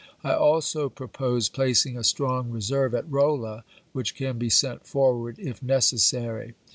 I also propose placing a strong reserve at Rolla, which can be sent forward if necessary.